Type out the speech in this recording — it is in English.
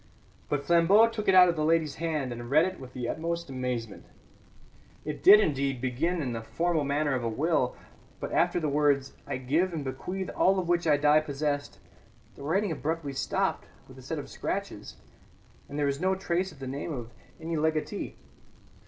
But Flambeau took it out of the lady's hand, and read it with the utmost amazement. It did, indeed, begin in the formal manner of a will, but after the words "I give and bequeath all of which I die possessed" the writing abruptly stopped with a set of scratches, and there was no trace of the name of any legatee.